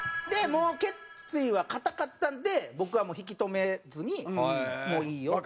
もう決意は固かったんで僕はもう引き止めずにもう「いいよ」と。